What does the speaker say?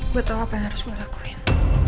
gue tau apa yang harus gue lakuin